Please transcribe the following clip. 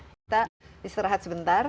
kita istirahat sebentar